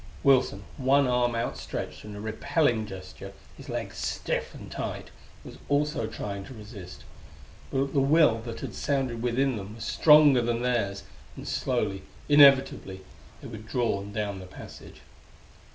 Wilson, one arm outstretched in a repelling gesture, his legs stiff and tight, was also trying to resist. But the will that had sounded within them was stronger than theirs, and slowly, inevitably, they were drawn down the passage.